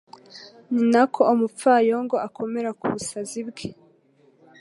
ni na ko umupfayongo akomera ku busazi bwe